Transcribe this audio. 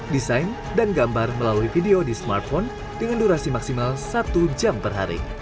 desain dan gambar melalui video di smartphone dengan durasi maksimal satu jam per hari